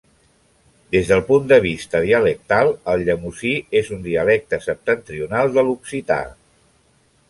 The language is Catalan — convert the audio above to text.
Des del punt de vista dialectal el llemosí és un dialecte septentrional de l'occità.